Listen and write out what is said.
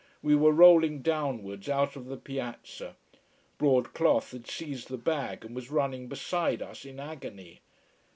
We were rolling downwards out of the piazza. Broad cloth had seized the bag and was running beside us in agony.